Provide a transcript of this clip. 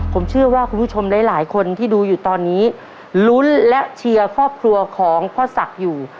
ผมเชื่อว่าคุณผู้ชมหลายหลายคนที่ดูอยู่ตอนนี้ลุ้นและเชียร์ครอบครัวของพ่อศักดิ์อยู่